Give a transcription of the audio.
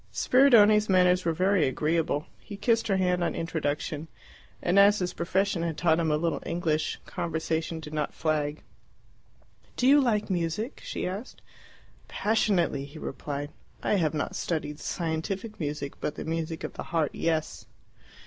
Spiridione's manners were very agreeable. He kissed her hand on introduction, and as his profession had taught him a little English, conversation did not flag. "Do you like music?" she asked. "Passionately," he replied. "I have not studied scientific music, but the music of the heart, yes."